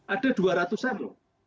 ada dua ratus an loh